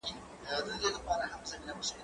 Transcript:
زه کولای سم لوبه وکړم!.